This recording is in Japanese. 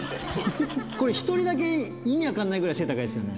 これ１人だけ、意味分かんないぐらい背、高いですよね。